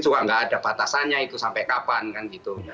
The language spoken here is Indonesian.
juga nggak ada batasannya itu sampai kapan kan gitu